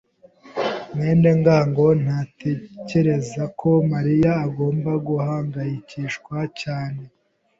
mwene ngango ntatekereza ko Mariya agomba guhangayikishwa cyane.